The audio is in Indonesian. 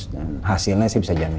dan hasilnya sih bisa jamin